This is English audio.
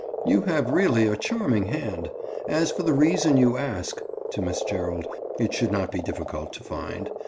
"You have really a charming hand. As for the reason you ask"—to Miss Gerald—"it should not be difficult to find.